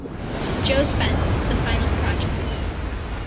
Jo Spence: The Final Project.